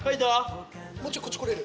もうちょいこっち来れる？